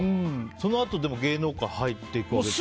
そのあと、芸能界に入っていくわけですよね。